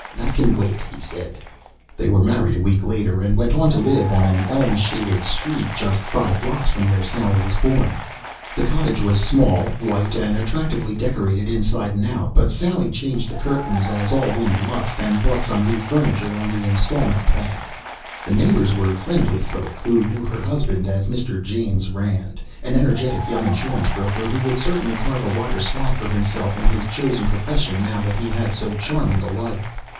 "That can wait," he said. They were married a week later and went to live on an elm shaded street just five blocks from where Sally was born. The cottage was small, white and attractively decorated inside and out. But Sally changed the curtains, as all women must, and bought some new furniture on the installment plan. The neighbors were friendly folk who knew her husband as Mr. James Rand, an energetic young insurance broker who would certainly carve a wider swath for himself in his chosen profession now that he had so charming a wife.